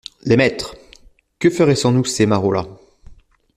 Les maîtres ! que feraient sans nous ces marauds-là ?